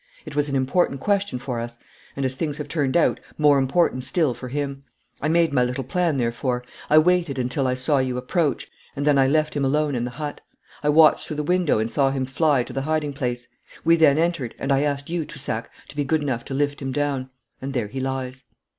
It was an important question for us, and, as things have turned out, more important still for him. I made my little plan, therefore. I waited until I saw you approach, and I then left him alone in the hut. I watched through the window and saw him fly to the hiding place. We then entered, and I asked you, Toussac, to be good enough to lift him down and there he lies.'